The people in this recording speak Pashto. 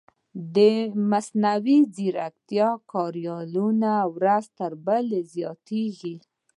د مصنوعي ځیرکتیا کاریالونه ورځ تر بلې زیاتېږي.